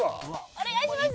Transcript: お願いします！